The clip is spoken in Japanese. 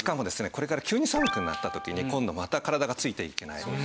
これから急に寒くなった時に今度また体がついていけない。